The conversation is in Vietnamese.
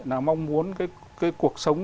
là mong muốn cái cuộc sống